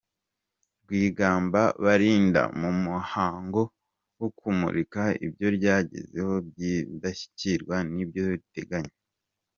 Rwigamba Balinda, mu muhango wo kumurika ibyo ryagezeho byindashyikirwa n’ibyo riteganya.